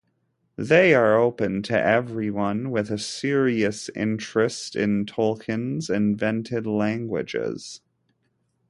They are open to everyone with a serious interest in Tolkien's invented languages.